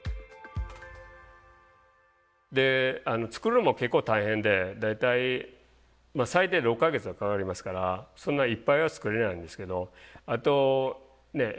で作るのも結構大変で大体最低６か月はかかりますからそんなにいっぱいは作れないんですけどあと映画の仕事も来るので。